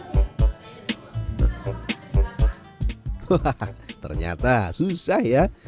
hahaha ternyata susah ya